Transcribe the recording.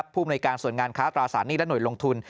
ผู้บรรยาการส่วนงานค้าตราศัตริย์หนี้และหน่วยลงทุน